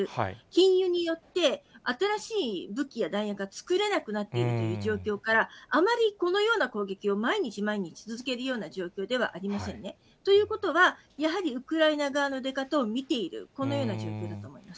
禁輸によって、新しい武器や弾薬が作れなくなっているという状況から、あまりこのような攻撃を毎日毎日続けるような状況ではありませんね。ということは、やはりウクライナ側の出方を見ている、このような状況だと思いま